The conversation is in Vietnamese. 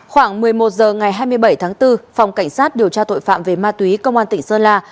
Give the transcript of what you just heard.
khoảng một mươi một h ngày hai mươi bảy tháng bốn phòng cảnh sát điều tra tội phạm về ma túy công an tỉnh sơn la